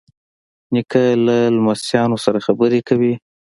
نیکه له لمسیانو سره خبرې کوي.